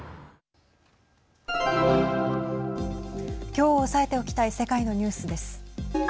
きょう押さえておきたい世界のニュースです。